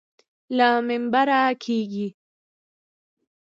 له منبره کېږي.